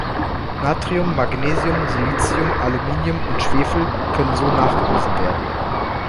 Natrium, Magnesium, Silicium, Aluminium und Schwefel können so nachgewiesen werden.